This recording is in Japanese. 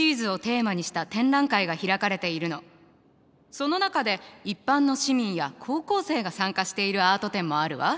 その中で一般の市民や高校生が参加しているアート展もあるわ。